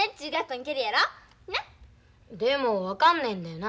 でも分かんないんだよな。